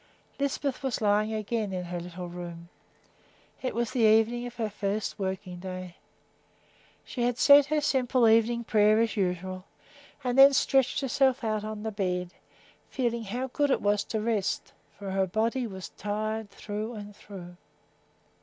Lisbeth was lying again in her little room. It was the evening of her first working day. She had said her simple evening prayer, as usual, and then stretched herself out on the bed, feeling how good it was to rest, for her body was tired through and through.